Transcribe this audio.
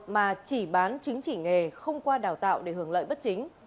mà chỉ bán chứng chỉ nghề không qua đào tạo để hưởng lợi bất chính